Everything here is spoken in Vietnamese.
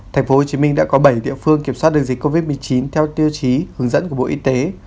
tp hcm đã có bảy địa phương kiểm soát được dịch covid một mươi chín theo tiêu chí hướng dẫn của bộ y tế